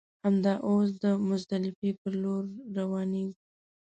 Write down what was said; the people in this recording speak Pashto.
همدا اوس د مزدلفې پر لور روانېږو.